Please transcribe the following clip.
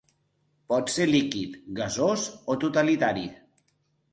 Pot ser líquid, gasós o totalitari.